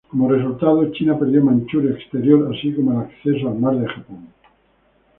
Como resultado, China perdió Manchuria exterior, así como el acceso al Mar de Japón.